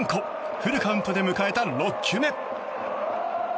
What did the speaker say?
フルカウントで迎えた６球目。